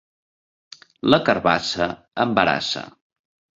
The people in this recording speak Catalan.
La carabassa embarassa.